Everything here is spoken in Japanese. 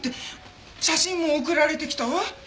写真も送られてきたわ。